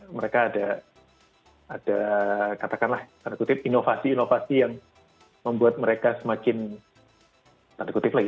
mereka ada katakanlah tanda kutip inovasi inovasi yang membuat mereka semakin tanda kutip lagi